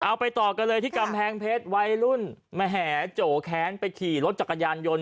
เอาไปต่อกันเลยที่กำแพงเพชรวัยรุ่นแหมโจแค้นไปขี่รถจักรยานยนต์